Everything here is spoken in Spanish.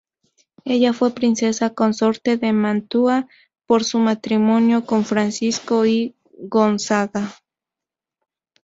Ella fue princesa consorte de Mantua por su matrimonio con Francisco I Gonzaga.